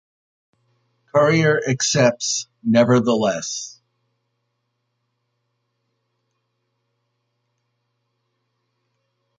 Courier accepts nevertheless.